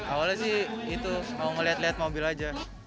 awalnya sih itu mau ngeliat liat mobil aja